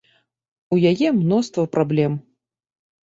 У яе мноства праблем.